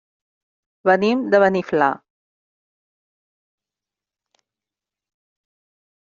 Venim de Beniflà.